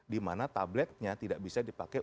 dimana tabletnya tidak bisa dipakai